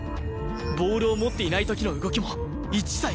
ボールを持っていない時の動きも１対１だ！